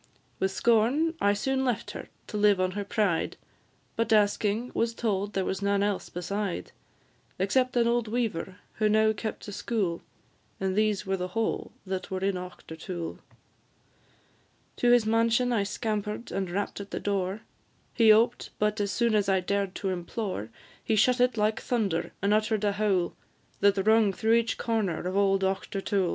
With scorn I soon left her to live on her pride; But, asking, was told there was none else beside, Except an old weaver, who now kept a school, And these were the whole that were in Auchtertool. To his mansion I scamper'd, and rapp'd at the door; He oped, but as soon as I dared to implore, He shut it like thunder, and utter'd a howl That rung through each corner of old Auchtertool.